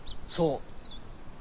そう。